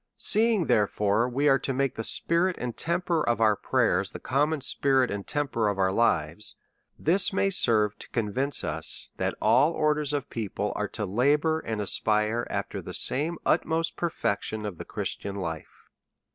Seeing, therefore, we are to make the spirit and temper of our prayers the conmion spirit and temper of our lives, this may serve to convince us that all or ders of people are to labour and aspire after the same utmost perfection of the Christian life.